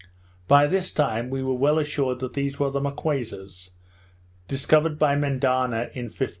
By this time, we were well assured that these were the Marquesas, discovered by Mendana in 1595.